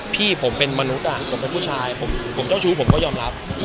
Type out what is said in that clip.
พี่ผมเป็นมนุษย์ผมเป็นผู้ชายผมเจ้าชู้ผมก็ยอมรับ